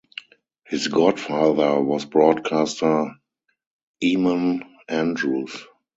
His godfather was broadcaster Eamonn Andrews.